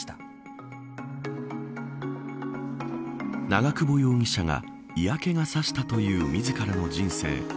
長久保容疑者が嫌気がさしたという自らの人生。